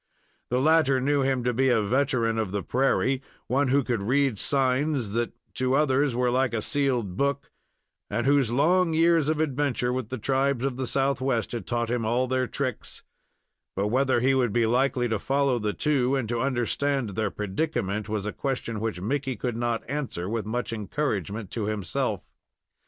The latter knew him to be a veteran of the prairie, one who could read signs that to others were like a sealed book, and whose long years of adventure with the tribes of the Southwest had taught him all their tricks; but whether he would be likely to follow the two, and to understand their predicament, was a question which Mickey could not answer with much encouragement to himself.